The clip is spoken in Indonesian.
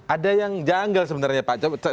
ada yang janggal sebenarnya pak